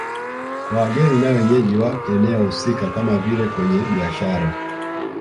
Kwa wageni na wenyeji wa eneo husika kama vile kwenye biashara